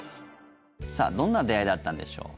さあどんな出会いだったんでしょう。